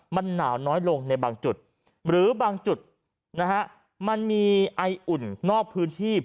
มันหนาวน้อยลงในบางจุดหรือบางจุดนะฮะมันมีไออุ่นนอกพื้นที่